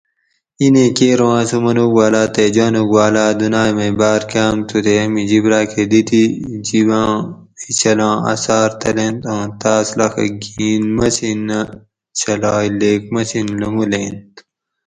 اینیں کیر اوں اسوں منوگ والاۤ تے جانوگ والاۤ دُناۤئے مئی باۤر کۤم تھو تے امی جِب راۤکہ دی دی دی جِباں اینچھلاں اثاۤر تلینت اوں تاس لخہ گِھین مسینہ چھلائے لیک مسین لونگولینت